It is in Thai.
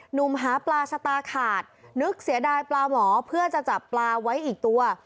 มหาปลาชะตาขาดนึกเสียดายปลาหมอเพื่อจะจับปลาไว้อีกตัว